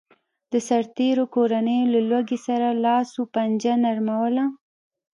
د سرتېرو کورنیو له لوږې سره لاس و پنجه نرموله